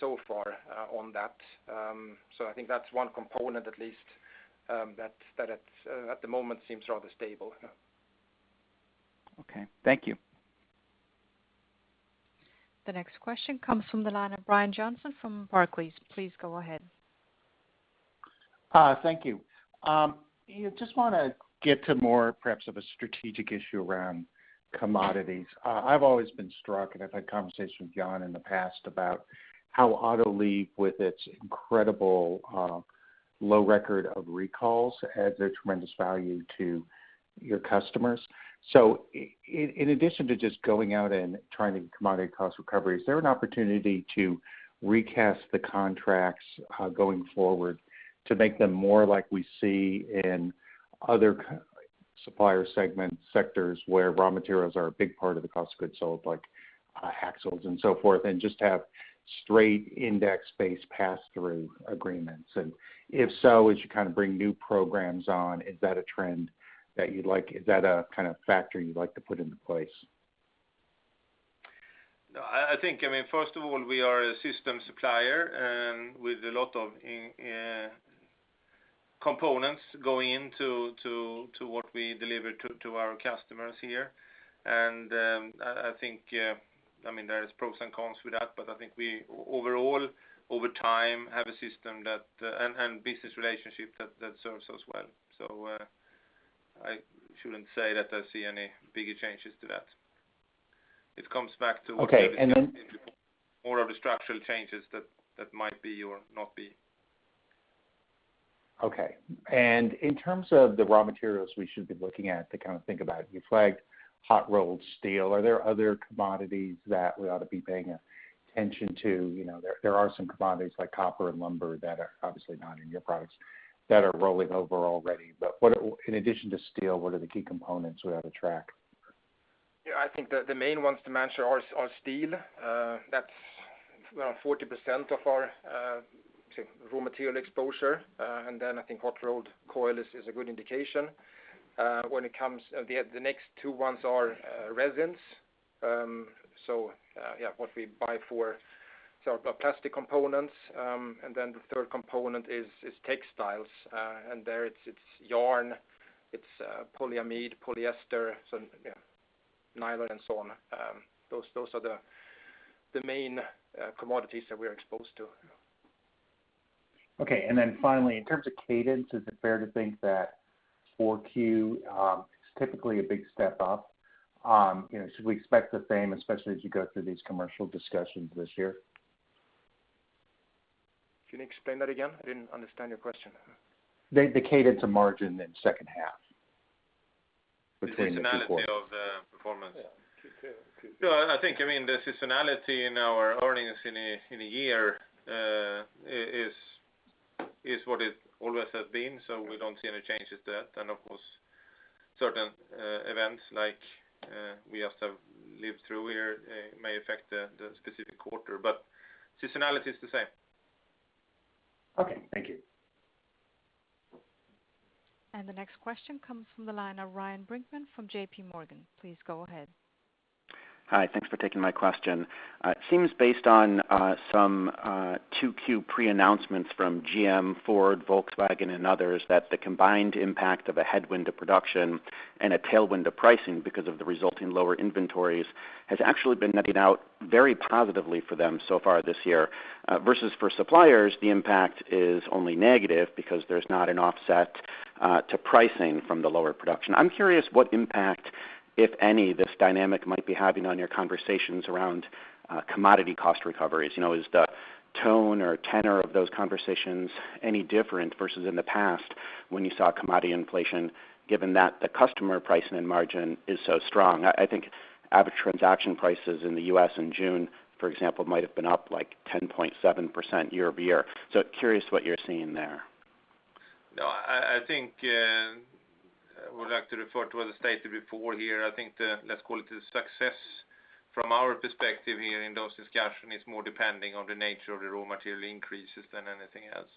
C: so far on that. I think that's one component at least that at the moment seems rather stable.
J: Okay. Thank you.
D: The next question comes from the line of Brian Johnson from Barclays. Please go ahead.
K: Hi. Thank you. Just want to get to more perhaps of a strategic issue around commodities. I've always been struck, and I've had conversations with Jan in the past about how Autoliv, with its incredible low record of recalls, adds a tremendous value to your customers. In addition to just going out and trying to commodity cost recovery, is there an opportunity to recast the contracts going forward to make them more like we see in other supplier segments, sectors where raw materials are a big part of the cost of goods sold, like axles and so forth, and just have straight index-based pass-through agreements? If so, as you bring new programs on, is that a trend that you'd like? Is that a factor you'd like to put into place?
B: No. I think, first of all, we are a system supplier with a lot of components going into what we deliver to our customers here. I think there's pros and cons with that, but I think we, overall, over time, have a system and business relationship that serves us well. I shouldn't say that I see any bigger changes to that.
K: Okay, and then-
B: More of the structural changes that might be or not be.
K: Okay. In terms of the raw materials we should be looking at to think about, you flagged hot-rolled coil. Are there other commodities that we ought to be paying attention to? There are some commodities like copper and lumber that are obviously not in your products, that are rolling over already. In addition to steel, what are the key components we ought to track?
C: I think the main ones to mention are steel. That's around 40% of our raw material exposure. I think hot-rolled coil is a good indication. The next two ones are resins. What we buy for our plastic components. The third component is textiles. It's yarn, it's polyamide, polyester, nylon and so on. Those are the main commodities that we're exposed to.
K: Okay, finally, in terms of cadence, is it fair to think that 4Q is typically a big step up? Should we expect the same, especially as you go through these commercial discussions this year?
B: Can you explain that again? I didn't understand your question.
K: The cadence of margin in second half between the quarters.
C: The seasonality of the performance.
B: No, I think, the seasonality in our earnings in a year is what it always has been. We don't see any changes to that. Of course, certain events like we just have lived through here may affect the specific quarter, but seasonality is the same.
K: Okay, thank you.
D: The next question comes from the line of Ryan Brinkman from JPMorgan. Please go ahead.
L: Hi. Thanks for taking my question. It seems based on some 2Q pre-announcements from GM, Ford, Volkswagen and others, that the combined impact of a headwind to production and a tailwind to pricing because of the resulting lower inventories, has actually been netting out very positively for them so far this year. Versus for suppliers, the impact is only negative because there's not an offset to pricing from the lower production. I am curious what impact, if any, this dynamic might be having on your conversations around commodity cost recoveries. Is the tone or tenor of those conversations any different versus in the past when you saw commodity inflation, given that the customer pricing and margin is so strong? I think average transaction prices in the U.S. in June, for example, might have been up 10.7% year-over-year. Curious what you're seeing there.
B: No, I think I would like to refer to what I stated before here. I think the, let's call it, the success from our perspective here in those discussions is more depending on the nature of the raw material increases than anything else.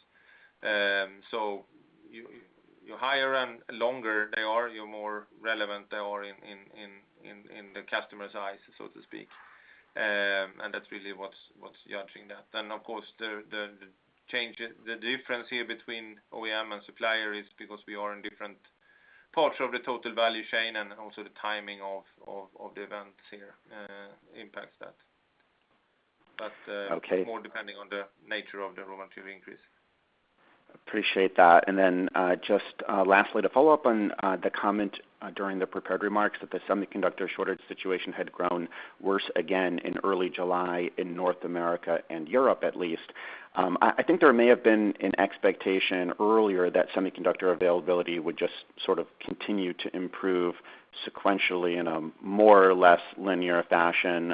B: Higher and longer they are, the more relevant they are in the customer's eyes, so to speak. That's really what's judging that. Of course, the difference here between OEM and supplier is because we are in different parts of the total value chain, and also the timing of the events here impacts that.
L: Okay.
B: It's more depending on the nature of the raw material increase.
L: Appreciate that. Then, just lastly, to follow up on the comment during the prepared remarks that the semiconductor shortage situation had grown worse again in early July in North America and Europe, at least. I think there may have been an expectation earlier that semiconductor availability would just continue to improve sequentially in a more or less linear fashion,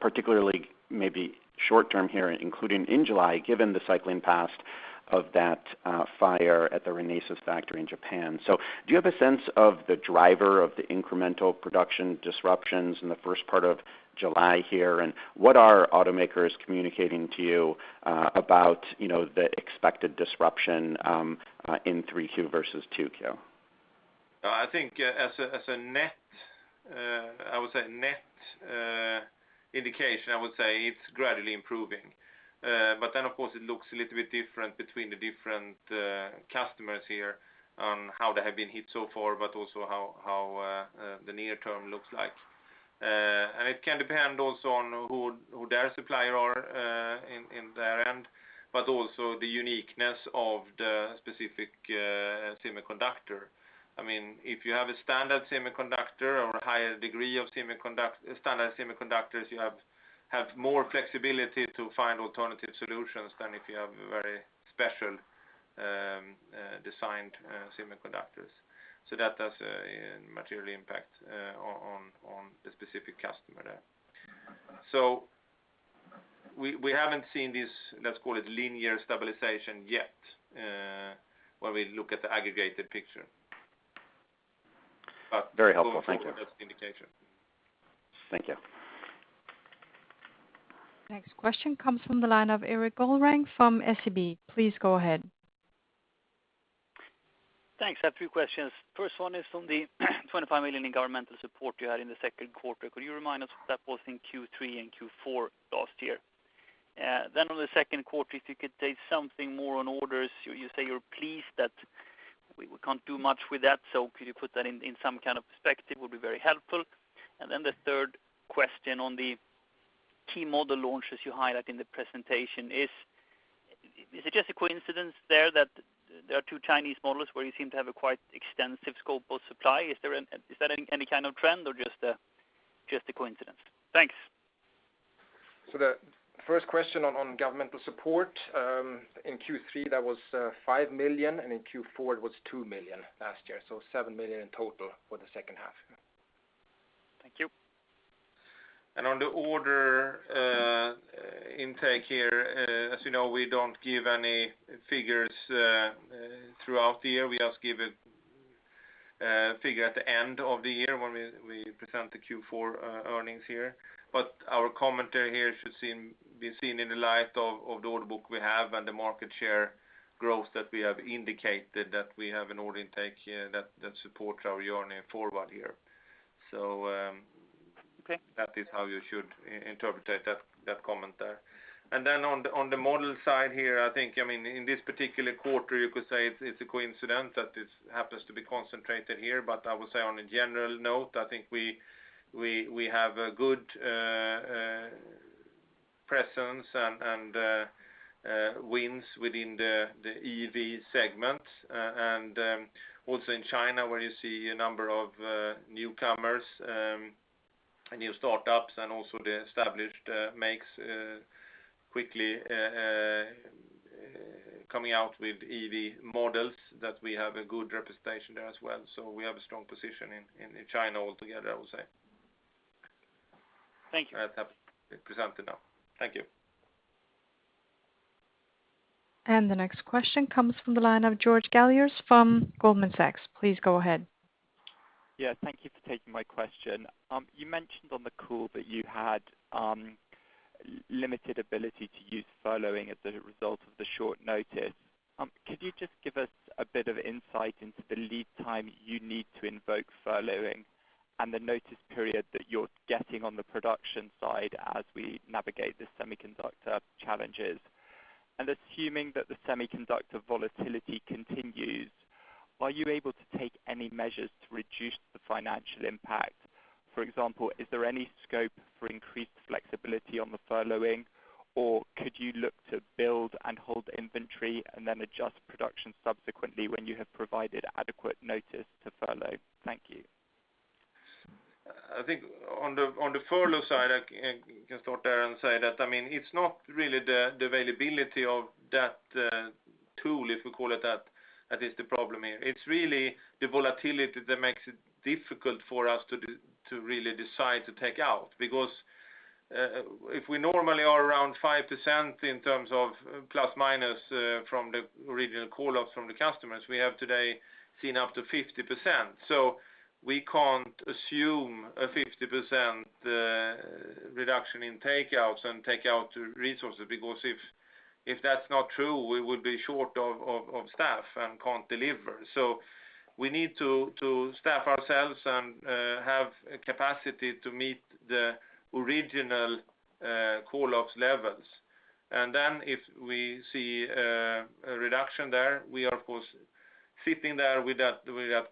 L: particularly maybe short term here, including in July, given the cycling past of that fire at the Renesas factory in Japan. So do you have a sense of the driver of the incremental production disruptions in the first part of July here? And what are automakers communicating to you about the expected disruption in 3Q versus 2Q?
B: I think as a net indication, I would say it's gradually improving. Of course, it looks a little bit different between the different customers here on how they have been hit so far, but also how the near term looks like. It can depend also on who their supplier are in their end, but also the uniqueness of the specific semiconductor. If you have a standard semiconductor or a higher degree of standard semiconductors, you have more flexibility to find alternative solutions than if you have very special designed semiconductors. That does materially impact on the specific customer there. We haven't seen this, let's call it linear stabilization yet, when we look at the aggregated picture.
L: Very helpful. Thank you.
B: Also that's the indication.
L: Thank you.
D: Next question comes from the line of Erik Golrang from SEB. Please go ahead.
M: Thanks. I have two questions. First one is on the $25 million in governmental support you had in the second quarter. Could you remind us what that was in Q3 and Q4 last year? On the second quarter, if you could say something more on orders. You say you're pleased that we can't do much with that, could you put that in some kind of perspective would be very helpful. The third question on the key model launches you highlight in the presentation is it just a coincidence there that there are two Chinese models where you seem to have a quite extensive scope of supply? Is that any kind of trend or just a coincidence? Thanks.
C: The first question on governmental support, in Q3 that was $5 million, and in Q4 it was $2 million last year, so $7 million in total for the second half.
M: Thank you.
B: On the order intake here, as you know, we don't give any figures throughout the year. We just give a figure at the end of the year when we present the Q4 earnings here. Our commentary here should be seen in the light of the order book we have and the market share growth that we have indicated that we have an order intake here that supports our journey forward here. I think that is how you should interpret that comment there. On the model side here, I think in this one particular quarter, you could say it's a coincidence that it happens to be concentrated here. I would say on a general note, I think we have a good presence and wins within the EV segment. Also in China, where you see a number of newcomers, new startups, and also the established makes quickly coming out with EV models that we have a good representation there as well. We have a strong position in China altogether, I would say.
M: Thank you.
B: As presented now. Thank you.
D: The next question comes from the line of George Galliers from Goldman Sachs. Please go ahead.
N: Thank you for taking my question. You mentioned on the call that you had limited ability to use furloughing as a result of the short notice. Could you just give us a bit of insight into the lead time you need to invoke furloughing and the notice period that you're getting on the production side as we navigate the semiconductor challenges? Assuming that the semiconductor volatility continues, are you able to take any measures to reduce the financial impact? For example, is there any scope for increased flexibility on the furloughing, or could you look to build and hold inventory and then adjust production subsequently when you have provided adequate notice to furlough? Thank you.
B: I think on the furlough side, I can start there and say that it's not really the availability of that tool, if we call it that is the problem here. It's really the volatility that makes it difficult for us to really decide to take out. Because if we normally are around 5% in terms of plus minus from the original call-ups from the customers, we have today seen up to 50%. We can't assume a 50% reduction in takeouts and take out resources because if that's not true, we would be short of staff and can't deliver. We need to staff ourselves and have capacity to meet the original call-ups levels. If we see a reduction there, we are of course sitting there with that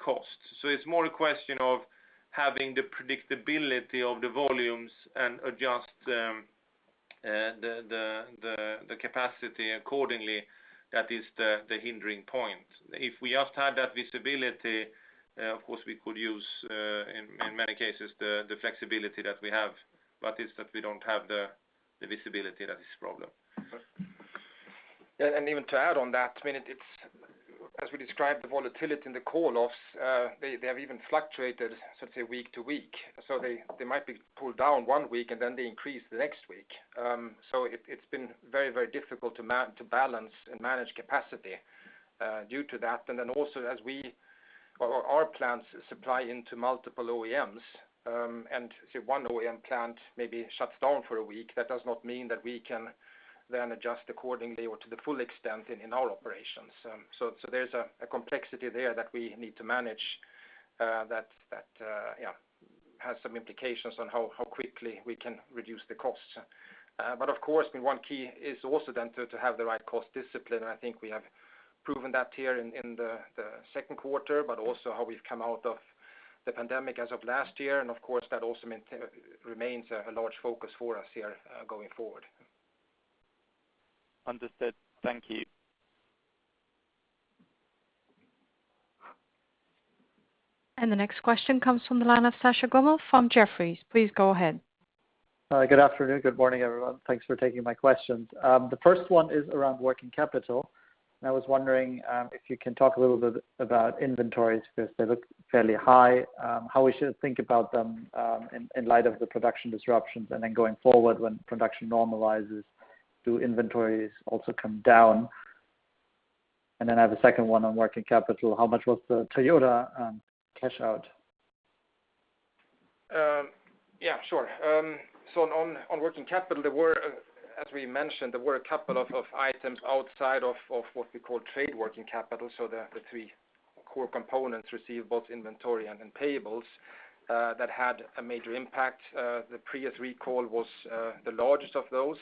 B: cost. It's more a question of having the predictability of the volumes and adjust the capacity accordingly. That is the hindering point. If we just had that visibility, of course, we could use, in many cases, the flexibility that we have. It's that we don't have the visibility that is the problem.
C: Even to add on that, as we described the volatility in the call-offs, they have even fluctuated, let's say, week to week. They might be pulled down one week, and then they increase the next week. It's been very, very difficult to balance and manage capacity due to that. Also as our plants supply into multiple OEMs, and say one OEM plant maybe shuts down for a week, that does not mean that we can then adjust accordingly or to the full extent in our operations. There's a complexity there that we need to manage that has some implications on how quickly we can reduce the costs. Of course, one key is also then to have the right cost discipline, and I think we have proven that here in the second quarter, but also how we've come out of the pandemic as of last year. Of course, that also remains a large focus for us here going forward.
N: Understood. Thank you.
D: The next question comes from the line of Sascha Gommel from Jefferies. Please go ahead.
O: Good afternoon. Good morning, everyone. Thanks for taking my questions. The first one is around working capital. I was wondering if you can talk a little bit about inventories, because they look fairly high, how we should think about them in light of the production disruptions, and then going forward when production normalizes, do inventories also come down? Then I have a second one on working capital. How much was the Toyota cash out?
C: Yeah, sure. On working capital, as we mentioned, there were a couple of items outside of what we call trade working capital, so the three core components receivables inventory and then payables that had a major impact. The Prius recall was the largest of those.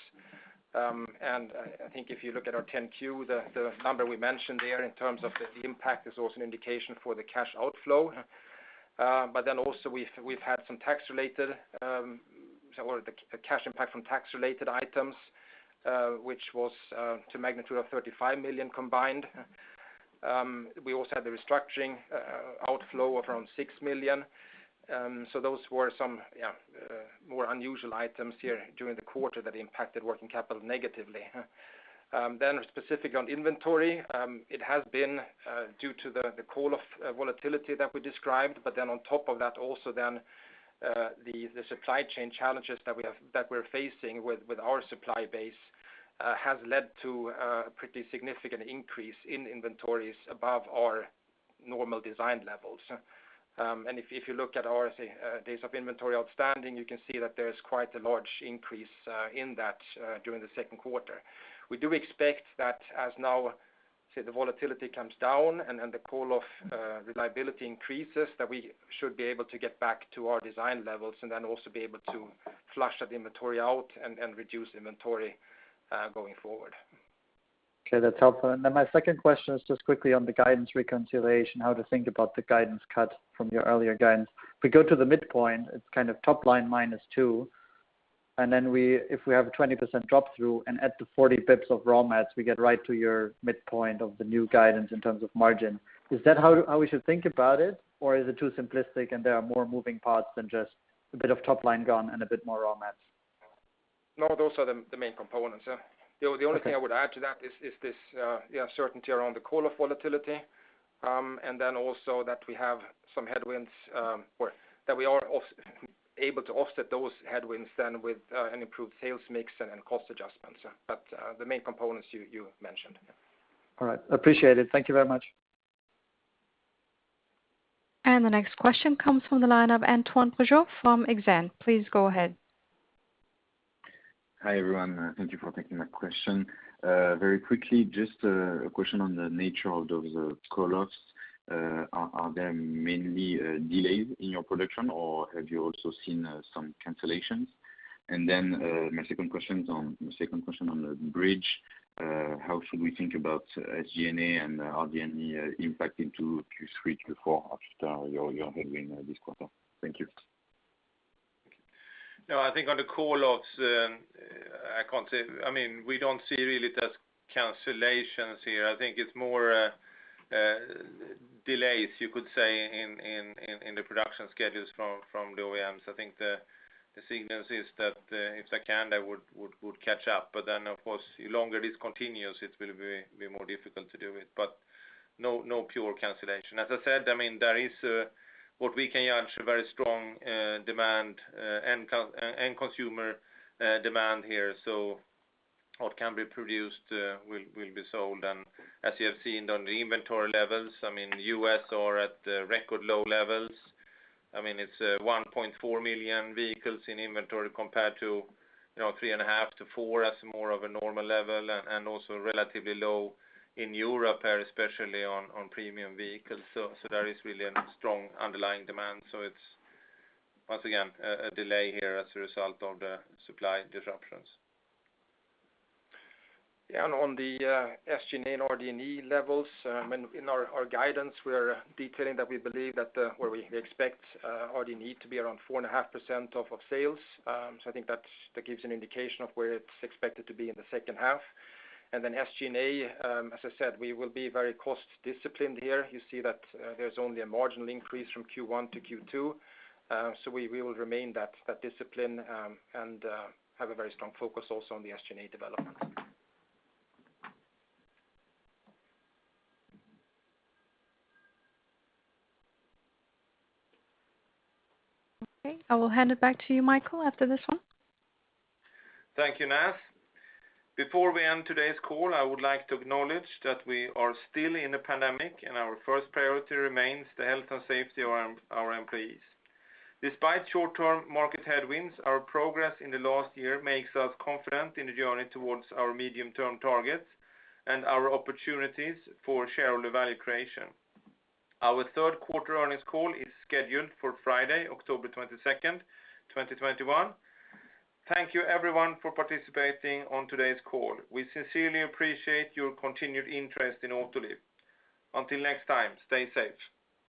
C: I think if you look at our 10-Q, the number we mentioned there in terms of the impact is also an indication for the cash outflow. Also we've had some cash impact from tax-related items, which was to magnitude of $35 million combined. We also had the restructuring outflow of around $6 million. Those were some more unusual items here during the quarter that impacted working capital negatively. Specific on inventory, it has been due to the call-off volatility that we described, but then on top of that also then, the supply chain challenges that we're facing with our supply base has led to a pretty significant increase in inventories above our normal design levels. If you look at our days of inventory outstanding, you can see that there's quite a large increase in that during the second quarter. We do expect that as now, say, the volatility comes down and the call-off reliability increases, that we should be able to get back to our design levels and then also be able to flush that inventory out and reduce inventory going forward.
O: Okay, that's helpful. My second question is just quickly on the guidance reconciliation, how to think about the guidance cut from your earlier guidance. If we go to the midpoint, it's kind of top line -2, if we have a 20% drop-through and add the 40 basis points of raw mats, we get right to your midpoint of the new guidance in terms of margin. Is that how we should think about it, or is it too simplistic and there are more moving parts than just a bit of top line gone and a bit more raw mats?
C: No, those are the main components. Yeah.
O: Okay.
C: The only thing I would add to that is this uncertainty around the call-off volatility, also that we are able to offset those headwinds with an improved sales mix and cost adjustments. The main components you mentioned.
O: All right. Appreciate it. Thank you very much.
D: The next question comes from the line of Antoine Brégeaut from Exane. Please go ahead.
P: Hi, everyone. Thank you for taking my question. Very quickly, just a question on the nature of those call-offs. Are there mainly delays in your production, or have you also seen some cancellations? My second question on the bridge, how should we think about SG&A and RD&E impacting Q3 to Q4 after your headwind this quarter? Thank you.
B: No, I think on the call-offs, we don't see really it as cancellations here. I think it's more delays, you could say, in the production schedules from the OEMs. Of course, the longer this continues, it will be more difficult to do it. No pure cancellation. As I said, there is what we can answer, very strong end consumer demand here. What can be produced will be sold. As you have seen on the inventory levels, U.S. are at record low levels. It's 1.4 million vehicles in inventory compared to 3.5 million-4 million as more of a normal level, and also relatively low in Europe here, especially on premium vehicles. There is really a strong underlying demand. It's once again, a delay here as a result of the supply disruptions.
C: Yeah. On the SG&A and RD&E levels, in our guidance, we're detailing that we believe that where we expect RD&E to be around 4.5% of sales. I think that gives an indication of where it's expected to be in the second half. SG&A, as I said, we will be very cost disciplined here. You see that there's only a marginal increase from Q1 to Q2. We will remain that discipline and have a very strong focus also on the SG&A development.
D: Okay. I will hand it back to you, Mikael, after this one.
B: Thank you, Naz. Before we end today's call, I would like to acknowledge that we are still in a pandemic, and our first priority remains the health and safety of our employees. Despite short-term market headwinds, our progress in the last year makes us confident in the journey towards our medium-term targets and our opportunities for shareholder value creation. Our third quarter earnings call is scheduled for Friday, October 22nd, 2021. Thank you everyone for participating on today's call. We sincerely appreciate your continued interest in Autoliv. Until next time, stay safe.